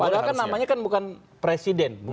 padahal kan namanya kan bukan presiden